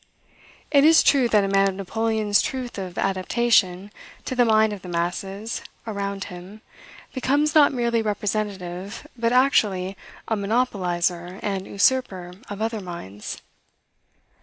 It is true that a man of Napoleon's truth of adaptation to the mind of the masses around him becomes not merely representative, but actually a monopolizer and usurper of other minds.